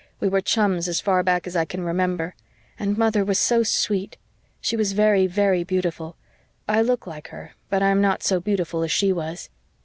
We were chums as far back as I can remember. And mother was so sweet. She was very, very beautiful. I look like her, but I am not so beautiful as she was."